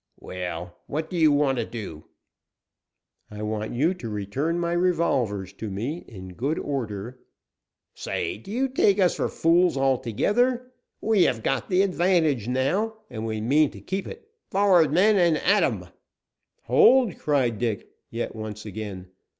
"Well, what do you want to do?" "I want you to return my revolvers to me, in good order " "Say, do you take us for fools altogether? We have got the advantage, now, and, we mean to keep it. Forward, men, and at him!" "Hold!" cried Dick yet once again.